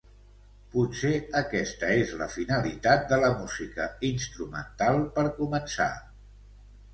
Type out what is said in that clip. Potser aquesta és la finalitat de la música instrumental per començar.